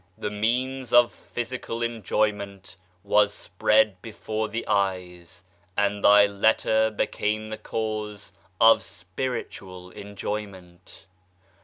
The means of physical enjoyment was spread before the eyes and thy letter became the cause of spiritual enjoyment.